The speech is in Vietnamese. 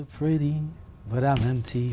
khi anh xa rồi họ nói